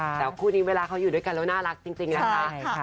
แต่คู่นี้เวลาเขาอยู่ด้วยกันแล้วน่ารักจริงนะคะ